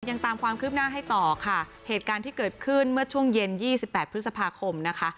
ยังตามความคืบหน้าให้ต่อค่ะเหตุการณ์ที่เกิดขึ้นเมื่อช่วงเย็นยี่สิบแปดพฤษภาคมนะคะ